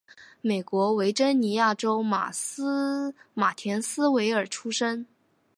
美国维珍尼亚州马田斯维尔出生。